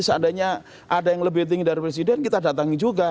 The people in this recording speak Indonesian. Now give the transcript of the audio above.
seandainya ada yang lebih tinggi dari presiden kita datangi juga